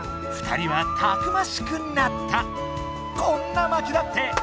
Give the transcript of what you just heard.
２人はたくましくなった。こんなまきだって！